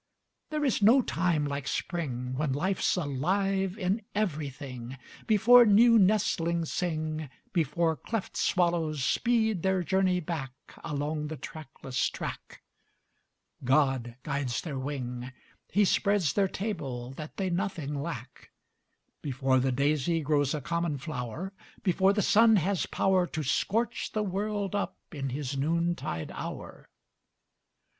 There is no time like Spring, When life's alive in everything, Before new nestlings sing, Before cleft swallows speed their journey back Along the trackless track, God guides their wing, He spreads their table that they nothing lack, Before the daisy grows a common flower, Before the sun has power To scorch the world up in his noontide hour.